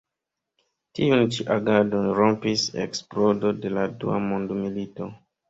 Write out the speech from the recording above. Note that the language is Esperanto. Tiun ĉi agadon rompis eksplodo de la dua mondmilito.